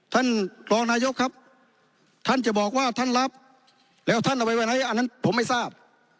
ท่านรองนายกครับท่านจะบอกว่าท่านรับแล้วท่านเอาไว้ไหนอันนั้นผมไม่ทราบ